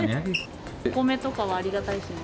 お米とかはありがたいしね。